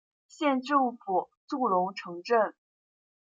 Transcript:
县政府驻龙城镇。